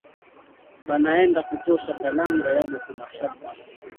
Banaenda kutosha kalanga yabo kumashamba